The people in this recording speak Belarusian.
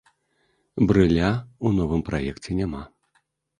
Брыля ў новым праекце няма.